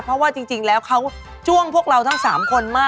เพราะว่าจริงแล้วเขาจ้วงพวกเราทั้ง๓คนมาก